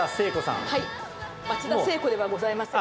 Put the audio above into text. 松田聖子ではございません。